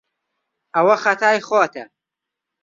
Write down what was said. ئەوە خەتای خۆتە.